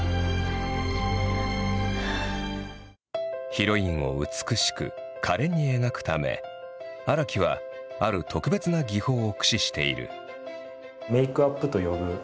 ヒロインを美しくかれんに描くため荒木はある特別な技法を駆使している。